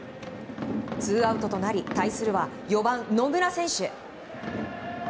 ツーアウトとなり対するは４番、野村選手。